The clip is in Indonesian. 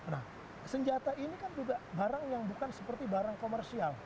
nah senjata ini kan juga barang yang bukan seperti barang komersial